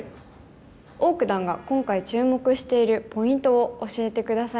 王九段が今回注目しているポイントを教えて下さい。